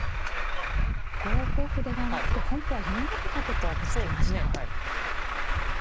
５五歩ではなくて本譜は４六角とぶつけました。